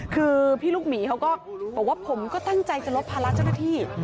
คือพี่ลูกหมีเขาก็บอกว่าผมก็ตั้งใจจะลดภาระเจ้าหน้าที่